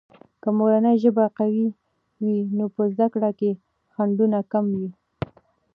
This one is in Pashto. که مورنۍ ژبه قوية وي، نو په زده کړه کې خنډونه کم وي.